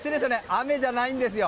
雨じゃないんですよ。